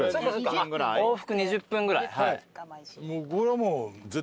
往復２０分ぐらい。